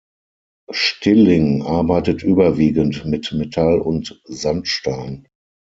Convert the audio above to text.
Stilling arbeitet überwiegend mit Metall und Sandstein.